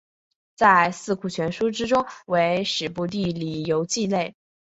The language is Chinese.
在四库全书之中为史部地理游记类。